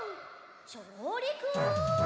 じょうりく！